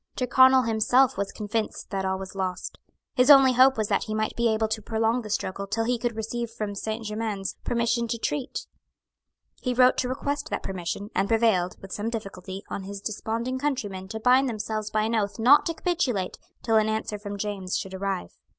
Tyrconnel himself was convinced that all was lost. His only hope was that he might be able to prolong the struggle till he could receive from Saint Germains permission to treat. He wrote to request that permission, and prevailed, with some difficulty, on his desponding countrymen to bind themselves by an oath not to capitulate till an answer from James should arrive.